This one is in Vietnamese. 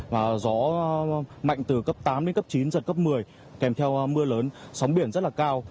và gió mạnh từ cấp tám đến cấp chín giật cấp một mươi kèm theo mưa lớn sóng biển rất là cao